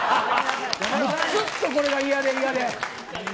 ずっとこれが嫌で嫌で。